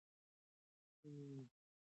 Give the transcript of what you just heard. لوستې میندې د ماشوم پاک چاپېریال ته پاملرنه کوي.